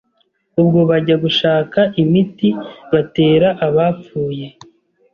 Ubwo bajya gushaka imiti batera abapfuye